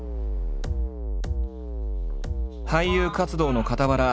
俳優活動のかたわら